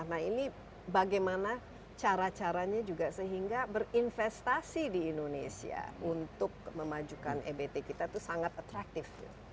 nah ini bagaimana cara caranya juga sehingga berinvestasi di indonesia untuk memajukan ebt kita itu sangat attractive